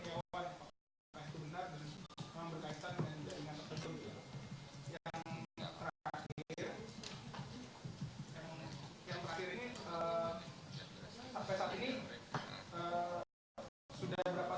sudah ada berapa senjata yang berhasil diamankan oleh polri setelah ya dia terjaga